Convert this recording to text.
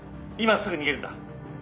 今すぐ逃げるんだ。